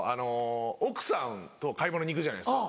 奥さんと買い物に行くじゃないですか。